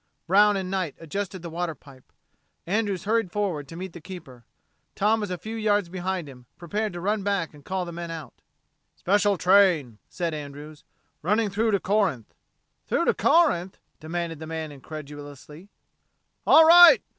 Brown and Knight adjusted the water pipe. Andrews hurried forward to meet the keeper. Tom was a few yards behind him, prepared to run back and call the men out. "Special train," said Andrews. "Running through to Corinth." "Through to Corinth?" demanded the man incredulously. "All right!"